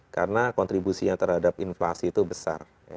karena kontribusinya terhadap inflasi itu besar